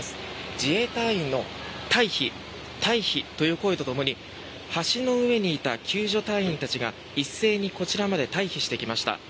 自衛隊員の退避、退避という声とともに橋の上にいた救助隊員たちが一斉にこちらまで退避してきました。